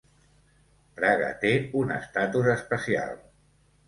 Praga té un estatus especial.